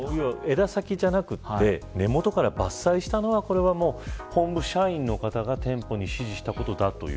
枝先ではなく根元から伐採したのは本部社員の方が店舗に指示したことだという。